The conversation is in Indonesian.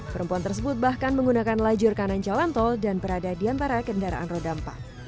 perempuan tersebut bahkan menggunakan lajur kanan jalan tol dan berada di antara kendaraan roda empat